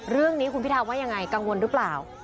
เรื่องนี้คุณพิธาเป็นไรแต่กังวลหรือเปล่า